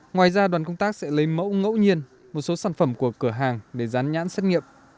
ngoài ra đoàn công tác sẽ lấy mẫu ngẫu nhiên một số sản phẩm của cửa hàng để rán nhãn xét nghiệm